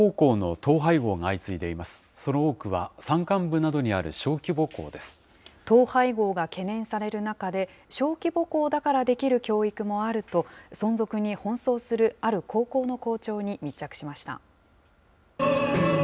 統廃合が懸念される中で、小規模校だからできる教育もあると、存続に奔走するある高校の校長に密着しました。